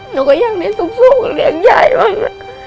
หนูยังได้สุขเหมือนยายมาก